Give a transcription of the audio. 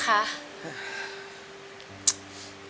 เกิดอะไรขึ้น